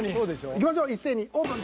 いきましょう一斉にオープン。